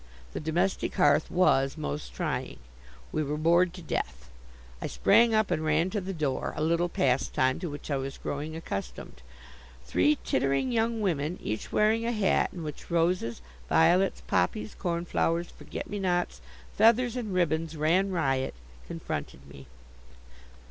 The domestic hearth was most trying. We were bored to death. I sprang up and ran to the door, a little pastime to which I was growing accustomed. Three tittering young women, each wearing a hat in which roses, violets, poppies, cornflowers, forget me nots, feathers and ribbons ran riot, confronted me.